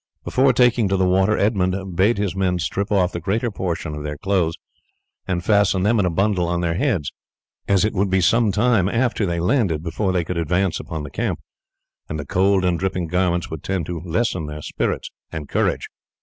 Before taking to the water Edmund bade his men strip off the greater portion of their clothes and fasten them in a bundle on their heads, as it would be some time after they landed before they could advance upon the camp, and the cold and dripping garments would tend to lessen their spirits and courage.